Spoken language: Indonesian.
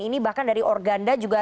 ini bahkan dari organda juga